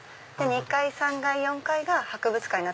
２階３階４階が博物館に。